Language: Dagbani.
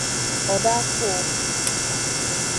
O daa fa o mi.